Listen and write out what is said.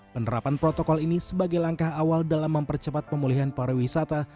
penerapan protokol ini sebagai langkah awal dalam mempercepat pemulihan pariwisata